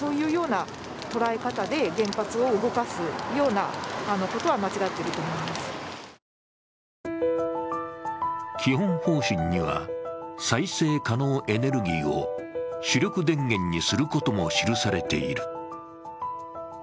総理官邸前では基本方針には再生可能エネルギーを主力電源にすることも記されている。